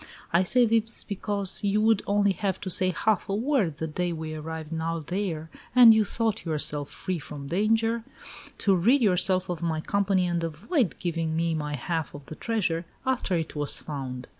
I say this because you would only have to say half a word the day we arrived at Aldeire, and you thought yourself free from danger, to rid yourself of my company and avoid giving me my half of the treasure, after it was found.